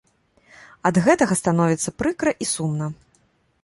Ад гэтага становіцца прыкра і сумна.